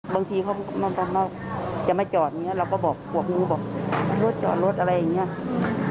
บางทีเขาจะไม่จอดอย่างนี้เราก็บอกพวกหนูบอกรถจอดรถอะไรอย่างนี้